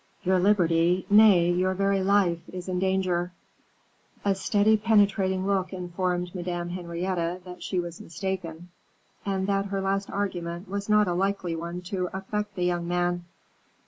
"Your liberty, nay, your very life, is in danger." A steady, penetrating look informed Madame Henrietta that she was mistaken, and that her last argument was not a likely one to affect the young man.